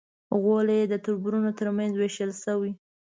غولی یې د تربرونو تر منځ وېشل شوی.